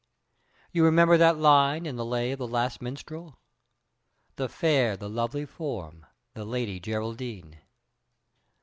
You remember that line in the 'Lay of the Last Minstrel': The fair and lovely form, the Lady Geraldine.